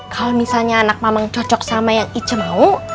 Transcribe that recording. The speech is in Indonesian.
kalau misalnya anak memang cocok sama yang ice mau